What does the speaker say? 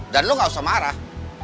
dan lo gak usah marah